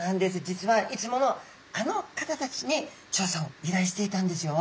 実はいつものあの方たちに調査をいらいしていたんですよ。